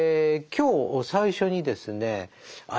今日最初にですねあ